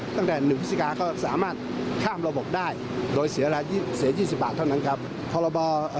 ตั้งแต่๑พฤศจิกาก็สามารถข้ามระบบได้โดยเสีย๒๐บาทเท่านั้นครับพรบ